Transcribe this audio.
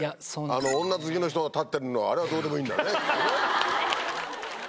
あの女好きの人が立ってるのあれはどうでもいいんだきっと。